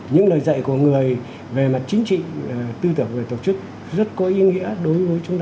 những lời dạy của người về mặt chính trị tư tưởng về tổ chức rất có ý nghĩa đối với chúng ta